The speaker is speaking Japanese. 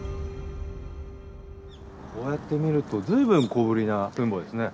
こうやって見ると随分小ぶりな墳墓ですね。